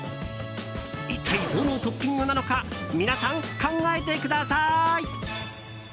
一体どのトッピングなのか皆さん、考えてください！